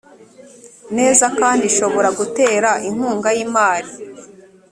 neza kandi ishobora gutera inkunga y imari